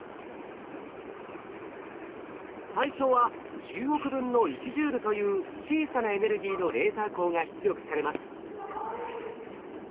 最初は１０億分の１ジュールという小さなエネルギーのレーザー光が出力されます。